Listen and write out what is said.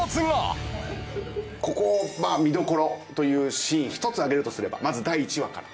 ここ見どころというシーン１つ挙げるとすればまず第１話から。